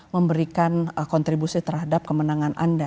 memberikan kontribusi terhadap kemenangan anda